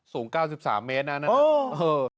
อ๋อสูง๙๓เมตรนะนั่นนะโอ้ยโอ้ยโอ้ย